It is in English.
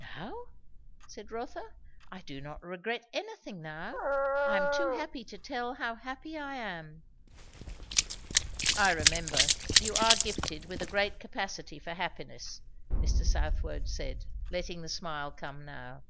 "Now?" said Rotha. "I do not regret anything now. I am too happy to tell how happy I am." "I remember, you are gifted with a great capacity for happiness," Mr. Southwode said, letting the smile come now.